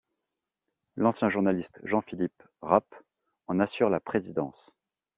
L'ancien journaliste Jean-Philippe Rapp en assure la présidence.